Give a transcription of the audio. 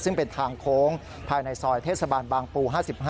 ซึ่งเป็นทางโค้งภายในซอยเทศบาลบางปู๕๕